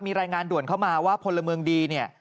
มีรายงานด่วนเข้ามาว่าพลเมืองดีเนี่ย